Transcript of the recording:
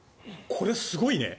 これ、すごいね！